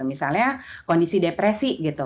misalnya kondisi depresi gitu